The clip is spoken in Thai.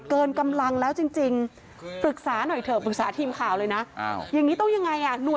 เกินกำลังแล้วจริง